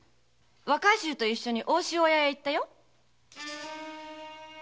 若い衆と一緒に大潮屋へ行ったよ。